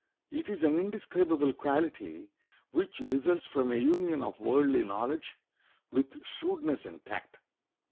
It is an indescribable quality which results from a union of worldly knowledge with shrewdness and tact.